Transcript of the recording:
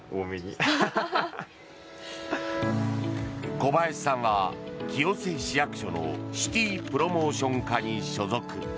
古林さんは清瀬市役所のシティプロモーション課に所属。